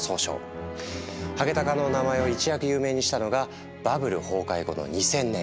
ハゲタカの名前を一躍有名にしたのがバブル崩壊後の２０００年。